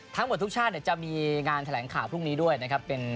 ทั้งหมดทุกชาติได้มีงานแถลงข้าวจะแล้วกดพิกัดนี้กับรมัน